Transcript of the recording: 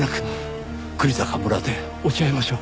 久里坂村で落ち合いましょう。